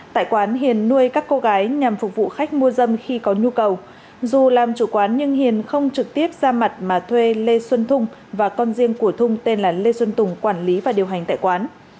tại quán hiền nuôi các cô gái nhằm phục vụ khách mua dâm khi có nhu cầu dù làm chủ quán nhưng hiền không trực tiếp ra mặt mà thuê lê xuân thung và con riêng của thung tên là lê xuân tùng quản lý và điều hành tại quán